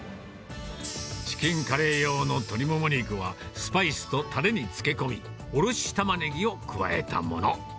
チキンカレー用の鶏もも肉は、スパイスとたれに漬け込み、おろしタマネギを加えたもの。